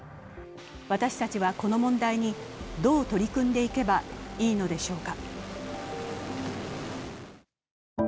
私たちはこの問題にどう取り組んでいけばいいのでしょうか。